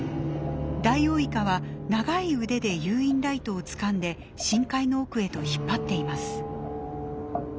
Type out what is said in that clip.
ダイオウイカは長い腕で誘引ライトをつかんで深海の奥へと引っ張っています。